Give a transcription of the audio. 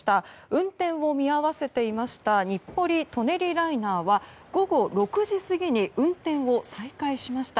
運転を見合わせていました日暮里・舎人ライナーは午後６時過ぎに運転を再開しました。